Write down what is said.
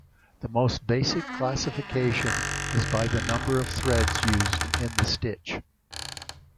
The most basic classification is by the number of threads used in the stitch.